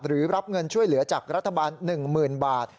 รับเงินช่วยเหลือจากรัฐบาล๑๐๐๐บาท